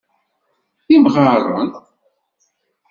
D imɣaren.